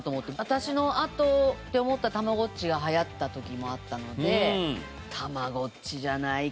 私のあとって思ったたまごっちが流行った時もあったのでたまごっちじゃないか。